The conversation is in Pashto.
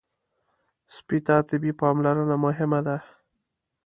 سپي ته طبي پاملرنه مهمه ده.